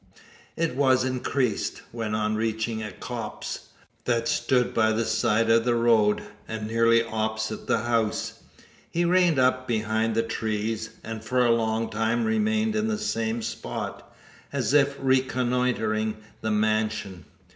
It was increased, when on reaching a copse, that stood by the side of the road, and nearly opposite the house, he reined up behind the trees, and for a long time remained in the same spot, as if reconnoitring the mansion.